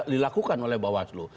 dilakukan oleh bawaslu